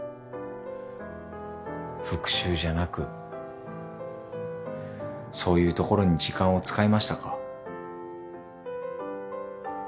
復讐じゃなくそういうところに時間を使いましたか？